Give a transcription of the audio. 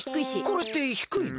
これってひくいの？